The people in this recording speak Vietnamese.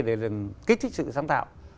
để kích thích sự sáng tạo